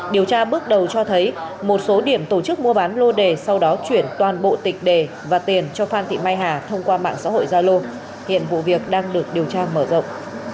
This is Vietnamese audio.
điều tra bước đầu cho thấy một số điểm tổ chức mua bán lô đề sau đó chuyển toàn bộ tịch đề và tiền cho phan thị mai hà thông qua mạng xã hội gia lô hiện vụ việc đang được điều tra mở rộng